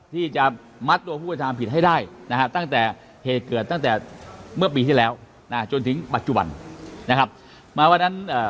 ที่จะมัดตัวผู้อาฆาตผิดให้ได้ตั้งแต่เกิดเติดตั้งแต่เมื่อปีที่แล้วจนถึงปัจจุบัน